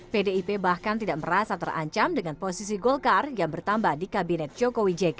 pdip bahkan tidak merasa terancam dengan posisi golkar yang bertambah di kabinet jokowi jk